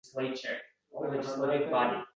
Yengil hazm boʻladigan taomlarni yeyish kerak.